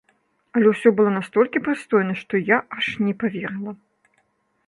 Але ўсё было настолькі прыстойна, што я аж не паверыла.